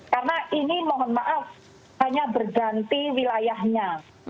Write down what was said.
karena ini mohon maaf hanya berganti wilayahnya